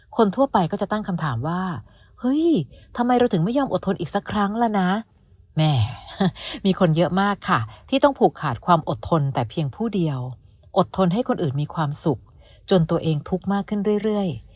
คนทั่วไปก็จะตั้งคำถามว่าเฮ้ยทำไมเราถึงไม่ยอมอดทนอีกสักครั้งล่ะนะแม่มีคนเยอะมากค่ะที่ต้องผูกขาดความอดทนแต่เพียงผู้เดียวอดทนให้คนอื่นมีความสุขจนตัวเองทุกข์มากขึ้นเรื่อย